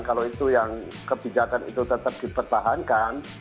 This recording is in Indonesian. kalau itu yang kebijakan itu tetap dipertahankan